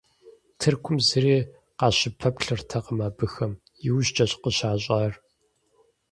Тыркум зыри къащыпэплъэртэкъым абыхэм – иужькӏэщ къыщащӏар.